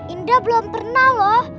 indah belum pernah loh